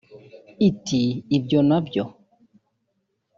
Iti “Ibyo na byo